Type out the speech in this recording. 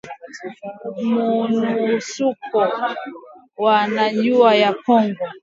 Monusco wanajua kuhusu waasi kuwa ndani ya jeshi la jamhuri ya kidemokrasia ya Kongo